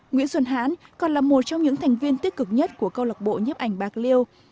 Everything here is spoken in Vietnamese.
nguyễn xuân hãn còn là một trong những thành viên tích cực nhất của câu lọc bộ nhếp ảnh bạc liêu